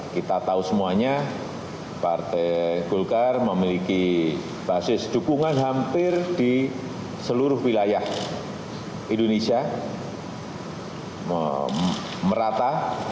kita tahu semuanya partai golkar memiliki basis dukungan hampir di seluruh wilayah indonesia merata